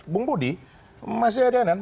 bung budi mas zia dianan